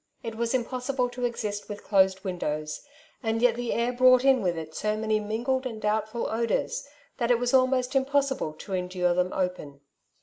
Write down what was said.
It was impossible to exist with closed windows, and yet the air brought in with it so many mingled and doubtful odours that it was almost impossible to endure them open.